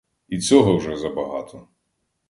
І цього вже забагато.